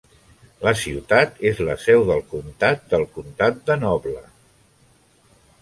La ciutat és la seu del comtat del comtat de Noble.